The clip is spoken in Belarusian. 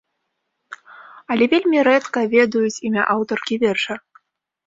Але вельмі рэдка ведаюць імя аўтаркі верша.